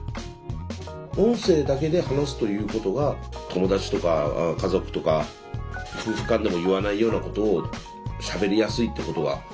音声だけで話すということが友達とか家族とか夫婦間でも言わないようなことをしゃべりやすいってことがあるんだと思いますよね。